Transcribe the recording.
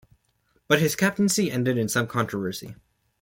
But his captaincy ended in some controversy.